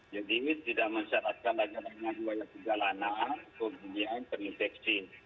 jadi tidak mencaratkan agar agarnya dua yang segalana kemudian terinfeksi